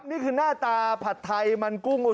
นี่คือหน้าตาผัดไทยมันกุ้ง